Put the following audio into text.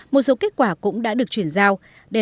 một số kết quả cũng đã được chuyển giao